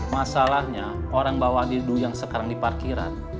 masalahnya orang bawa adidu yang sekarang di parkiran